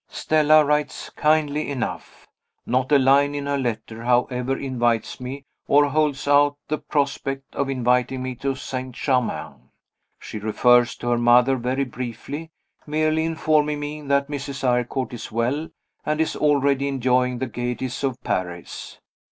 Stella writes kindly enough. Not a line in her letter, however, invites me, or holds out the prospect of inviting me, to St. Germain. She refers to her mother very briefly, merely informing me that Mrs. Eyrecourt is well, and is already enjoying the gayeties of Paris.